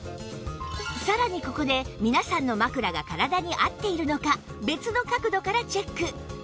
さらにここで皆さんの枕が体に合っているのか別の角度からチェック